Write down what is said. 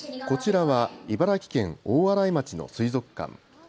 こちらは茨城県大洗町の水族館。